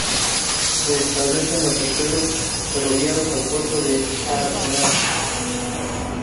Se establecen los accesos ferroviarios al Puerto y al Arsenal.